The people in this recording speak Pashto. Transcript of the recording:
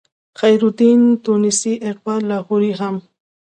خیرالدین تونسي اقبال لاهوري هم